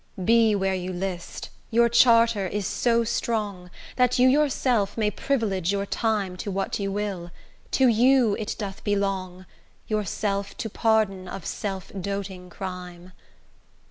Be where you list, your charter is so strong That you yourself may privilage your time To what you will; to you it doth belong Yourself to pardon of self doing crime.